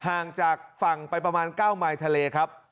ห่างจากฝั่งไปประมาณ๙ไมล์ทะเลครับ